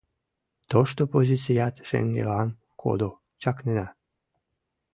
Тошто позицият шеҥгелан кодо — чакнена.